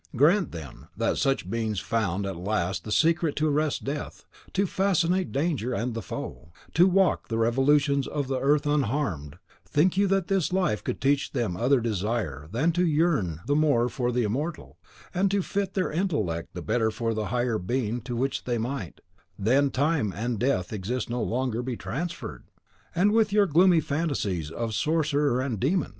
Grant, then, that such beings found at last the secret to arrest death; to fascinate danger and the foe; to walk the revolutions of the earth unharmed, think you that this life could teach them other desire than to yearn the more for the Immortal, and to fit their intellect the better for the higher being to which they might, when Time and Death exist no longer, be transferred? Away with your gloomy fantasies of sorcerer and demon!